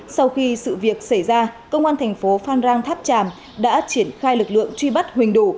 sau khi sự việc xảy ra công an thành phố phan rang tháp tràm đã triển khai lực lượng truy bắt huỳnh đủ